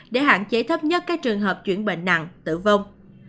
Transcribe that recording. để hạn chế thấp nhất các trường hợp chuyển bệnh nặng tử vong